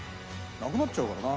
なくなっちゃうからな。